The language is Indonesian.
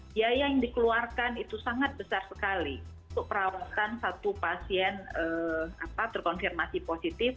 biaya yang dikeluarkan itu sangat besar sekali untuk perawatan satu pasien terkonfirmasi positif